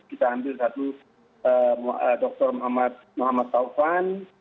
kita ambil satu dr muhammad taufan